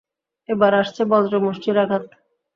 এবার আসছে বজ্রমুষ্টির আঘাত!